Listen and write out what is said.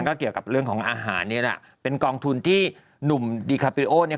ก็เกี่ยวกับเรื่องของอาหารนี่แหละเป็นกองทุนที่หนุ่มดีคาปิริโอเนี่ย